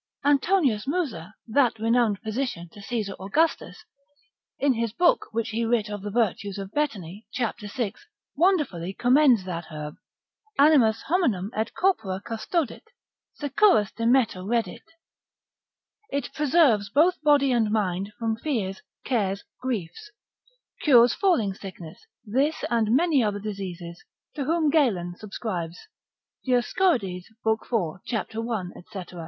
Antonius Musa, that renowned physician to Caesar Augustus, in his book which he writ of the virtues of betony, cap. 6. wonderfully commends that herb, animas hominum et corpora custodit, securas de metu reddit, it preserves both body and mind, from fears, cares, griefs; cures falling sickness, this and many other diseases, to whom Galen subscribes, lib. 7. simp. med. Dioscorides, lib. 4. cap. 1.